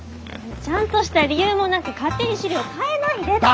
ちゃんとした理由もなく勝手に飼料変えないでって。